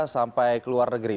sampai ke luar negeri